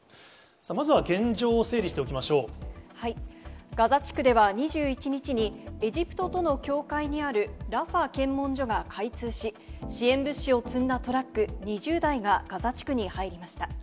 まずは現状を整理しておきまガザ地区では、２１日にエジプトとの境界にあるラファ検問所が開通し、支援物資を積んだトラック２０台がガザ地区に入りました。